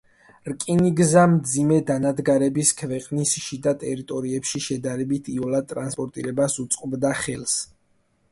რკინიგზა მძიმე დანადგარების ქვეყნის შიდა ტერიტორიებში შედარებით იოლად ტრანსპორტირებას უწყობდა ხელს.